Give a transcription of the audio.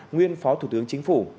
nguyên phó thủ tướng chính phủ